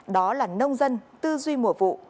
đó là nông dân tư duy mùa vụ